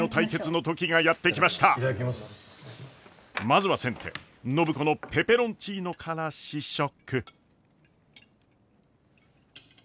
まずは先手暢子のペペロンチーノから試食。